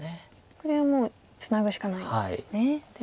これはもうツナぐしかないんですね。